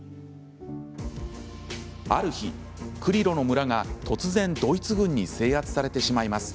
ある日、クリロの村が、突然ドイツ軍に制圧されてしまいます。